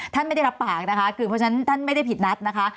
ไม่ได้รับปากนะคะคือเพราะฉะนั้นท่านไม่ได้ผิดนัดนะคะ